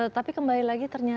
tapi kembali lagi ternyata